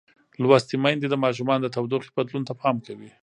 لوستې میندې د ماشومانو د تودوخې بدلون ته پام کوي.